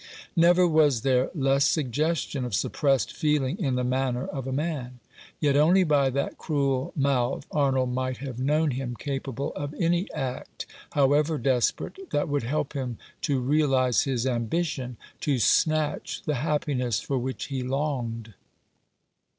Never was there less suggestion of suppressed feeling in the manner of a man ; yet only by that cruel mouth, Arnold might have known him capable of any act, however desperate, that would help him to realize his ambition, to snatch the happiness for which he longed.